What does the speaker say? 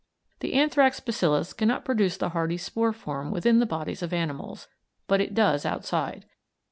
The anthrax bacillus cannot produce the hardy spore form within the bodies of animals, but it does outside.